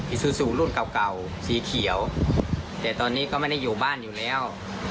ซูซูรุ่นเก่าสีเขียวแต่ตอนนี้ก็ไม่ได้อยู่บ้านอยู่แล้ว